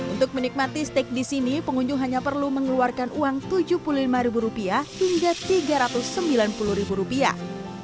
untuk menikmati steak di sini pengunjung hanya perlu mengeluarkan uang tujuh puluh lima ribu rupiah hingga tiga ratus sembilan puluh rupiah